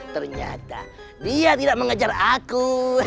ternyata dia tidak mengejar aku